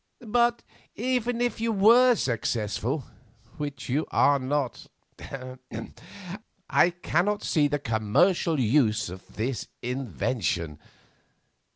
But even if you were successful—which you are not—er—I cannot see the commercial use of this invention.